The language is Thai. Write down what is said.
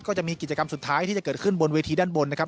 ก็จะมีกิจกรรมสุดท้ายที่จะเกิดขึ้นบนเวทีด้านบนนะครับ